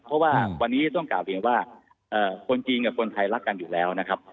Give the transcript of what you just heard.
เพราะว่าวันนี้ต้องกลับเรียนว่าคนจีนกับคนไทยรักกันอยู่แล้วนะครับ